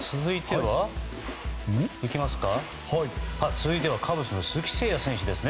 続いてはカブスの鈴木誠也選手です。